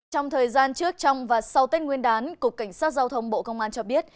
trong thời gian trước trong và sau tết nguyên đán cục cảnh sát giao thông bộ công an cho biết